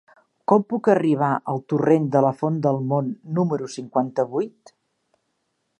Com puc arribar al torrent de la Font del Mont número cinquanta-vuit?